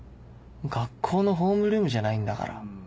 学校のホームルームじゃないんだから